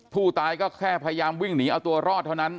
ผู้ตายก็แค่พยายามวิ่งหนีเอาตัวรอดเท่านั้น